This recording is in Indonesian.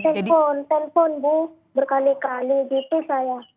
handphone telepon bu berkali kali gitu saya